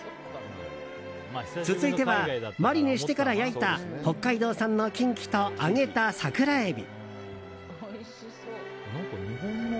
続いては、マリネしてから焼いた北海道産のキンキと揚げた桜エビ。